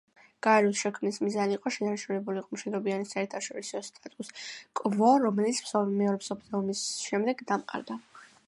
გაეროს შექმნის მიზანი იყო შენარჩუნებულიყო მშვიდობიანი საერთაშორისო სტატუს-კვო, რომელიც მეორე მსოფლიო ომის შემდეგ დამყარდა.